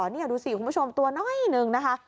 นี่ดูสิคุณผู้ชมตัวน้อยหนึ่งนะคะ